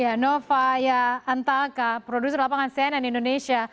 ya novaya antaka produser lapangan cnn indonesia